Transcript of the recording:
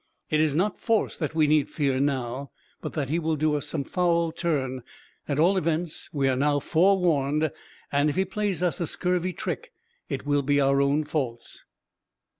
"It is not force that we need fear now, but that he will do us some foul turn; at all events, we are now forewarned, and if he plays us a scurvy trick it will be our own faults."